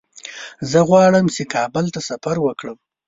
زه غواړم چې کابل ته سفر وکړم.